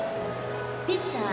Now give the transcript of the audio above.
ピッチャー